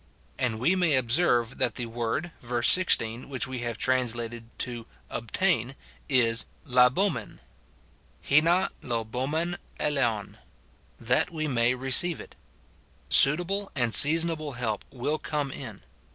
And we may observe that the word, verse 16, which we have translated to "obtain," is Xa€w,asv — iW Xa§w/j.6v g'Xeov, "That we may receive it;" suitable and seasonable help will come in.